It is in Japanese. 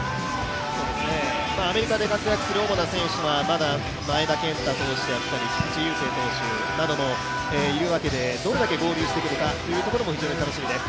アメリカで活躍する主な選手は前田健太投手、菊池雄星投手もいるわけでどれだけ合流してくるかというところも非常に楽しみです。